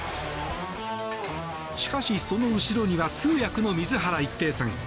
しかし、その後ろには通訳の水原一平さん。